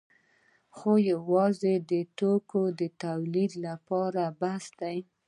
خو ایا یوازې دا توکي د تولید لپاره بس دي؟